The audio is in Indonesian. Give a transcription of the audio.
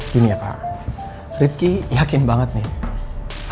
gini ya pak rifki yakin banget nih